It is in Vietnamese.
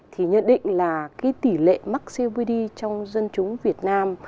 thì nhận định là cái tỷ lệ mắc copd trong dân chúng việt nam